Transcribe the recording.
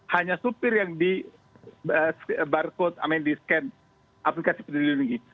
hanya supir yang di barcode amin di scan aplikasi penduduk ini